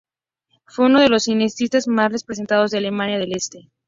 Fue uno de los cineastas más respetados de Alemania del Este.